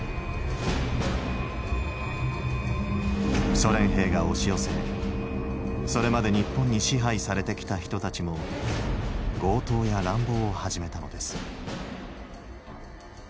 ソ連兵が押し寄せそれまで日本に支配されてきた人たちも強盗や乱暴を始めたのです